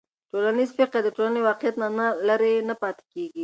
ټولنیز فکر د ټولنې له واقعیت نه لرې نه پاتې کېږي.